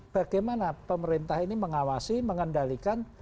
bagaimana pemerintah ini mengawasi mengendalikan